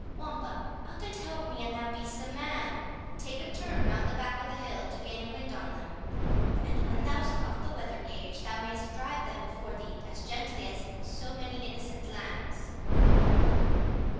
8 Wamba, up and help me an thou be'st a man; take a turn round the back o' the hill to gain the wind on them; and when thous't got the weather gage, thou mayst drive them before thee as gently as so many innocent lambs."